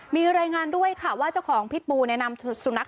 มีรายงานด้วยค่ะว่าเจ้าของพิษบูนำสุนัข